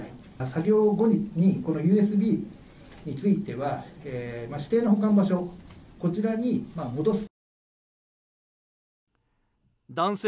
作業後、本人にＵＳＢについては指定の保管場所に戻す。